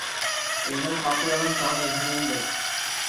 Уның хаҡлығын таныйһың инде.